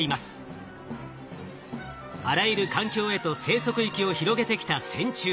あらゆる環境へと生息域を広げてきた線虫。